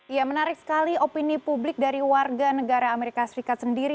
ya menarik sekali opini publik dari warga negara amerika serikat sendiri